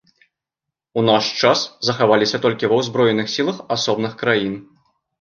У наш час захаваліся толькі ва узброеных сілах асобных краін.